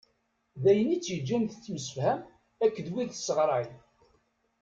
D ayen i tt-yeǧǧan tettemsefham akk d wid tesɣray.